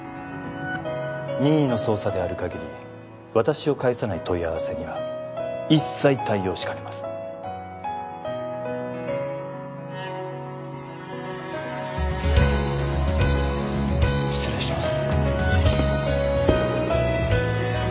任意の捜査である限り私を介さない問い合わせには一切対応しかねます失礼します